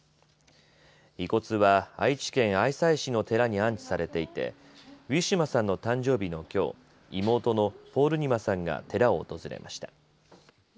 遺骨は愛知県愛西市の寺に安置されていてウィシュマさんの誕生日のきょう、妹のポールニマさんが寺を訪れました。